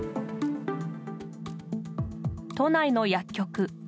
都内の薬局。